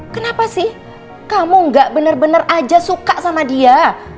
kenapa sih kamu nggak benar benar aja suka sama dia